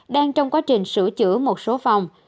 đang trong quá trình sửa chữa một số phòng